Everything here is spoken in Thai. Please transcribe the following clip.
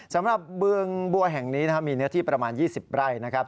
สำหรับเบื้องบัวแห่งนี้นะครับมีเนื้อที่ประมาณ๒๐ไร่นะครับ